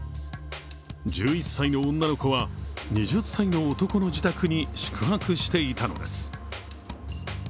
１１歳の女の子は２０歳の男の自宅に宿泊していたのです。